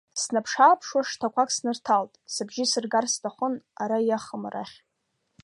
Снаԥш-ааԥшуа шҭақәак снырҭалт, сыбжьы сыргар сҭахын ара иахым рахь.